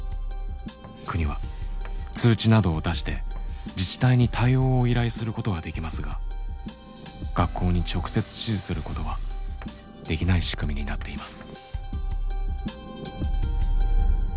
国は通知などを出して自治体に対応を依頼することはできますが学校に直接指示することはできない仕組みになっています。